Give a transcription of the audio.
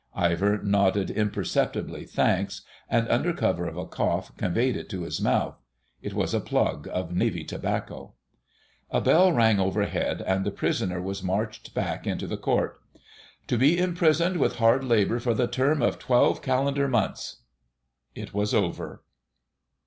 Ivor nodded imperceptible thanks, and under cover of a cough, conveyed it to his mouth. It was a plug of Navy tobacco. A bell rang overhead, and the prisoner was marched back into Court. "... to be imprisoned with hard labour for the term of twelve calendar months." It was over.